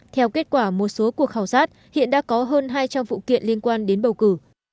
theo kết quả một số cuộc khảo sát hiện đã có hơn hai trăm linh vụ kiện liên quan đến bầu cử